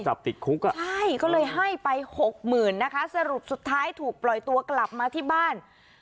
ใช่ก็เลยให้ไป๖๐๐๐๐นะคะสรุปสุดท้ายถูกปล่อยตัวกลับมาที่บ้าน